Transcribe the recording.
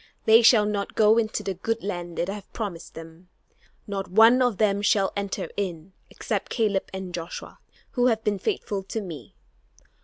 They shall not go into the good land that I have promised them. Not one of them shall enter in, except Caleb and Joshua, who have been faithful to me.